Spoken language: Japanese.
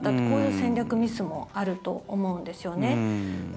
こういう戦略ミスもあると思うんですよね。